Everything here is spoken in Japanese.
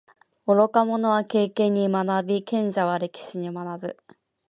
愚か者は経験に学び，賢者は歴史に学ぶ。